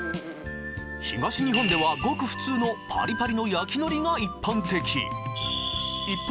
東日本ではごく普通のパリパリの焼き海苔が一般的一方